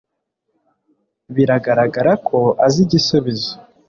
Biragaragara ko azi igisubizo